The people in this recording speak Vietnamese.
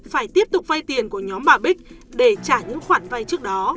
phải tiếp tục vay tiền của nhóm bà bích để trả những khoản vay trước đó